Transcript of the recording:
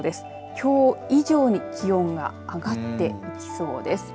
きょう以上に気温が上がっていきそうです。